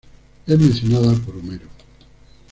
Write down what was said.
Es mencionada por Homero.